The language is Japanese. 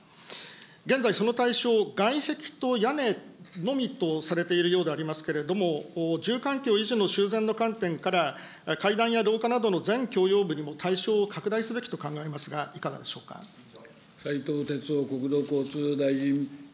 現在、その対象、外壁と屋根のみとされているようでありますけれども、住環境維持の修繕の観点から、階段や廊下などの全共用部にも対象を拡大すべきと考えますが、い斉藤鉄夫国土交通大臣。